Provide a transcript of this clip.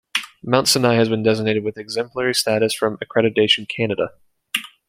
Mount Sinai has been designated with Exemplary Status from Accreditation Canada.